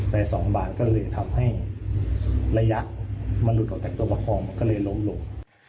แต่๒บาทก็เลยทำให้ระยะมันหลุดออกจากตัวประคองมันก็เลยล้มลง